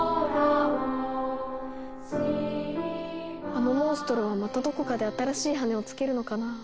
あのモンストロはまたどこかで新しい羽をつけるのかなぁ。